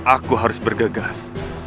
aku harus bergegas